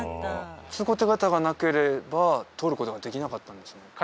通行手形がなければ通ることができなかったんですね？